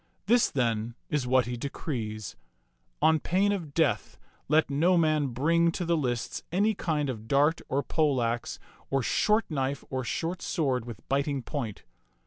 This, then, is what he decrees : On pain of death let no man bring to the lists any kind of dart or pole axe or short knife or short sword with biting point.